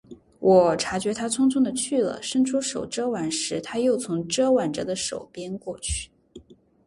我觉察他去的匆匆了，伸出手遮挽时，他又从遮挽着的手边过去。